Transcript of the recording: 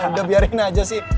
udah biarin aja sih